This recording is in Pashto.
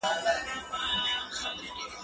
زه اوس کتابونه ليکم